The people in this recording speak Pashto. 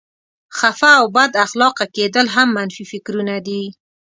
خفه او بد اخلاقه کېدل هم منفي فکرونه دي.